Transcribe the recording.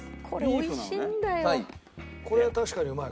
これは確かにうまい。